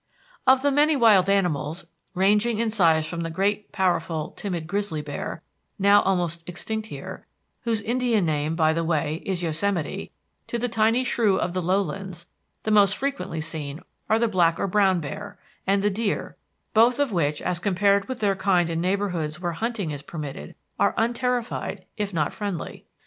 Of the many wild animals, ranging in size from the great, powerful, timid grizzly bear, now almost extinct here, whose Indian name, by the way, is Yosemite, to the tiny shrew of the lowlands, the most frequently seen are the black or brown bear, and the deer, both of which, as compared with their kind in neighborhoods where hunting is permitted, are unterrified if not friendly.